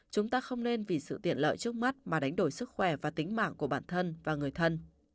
chúng ta không nên vì sự tiện lợi trước mắt mà đánh đổi sức khỏe và tính mạng của bản thân và người thân